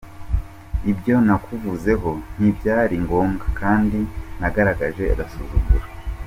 Ibyo nakuvuzeho nti byari ngombwa kandi nagaragaje agasuzuguro.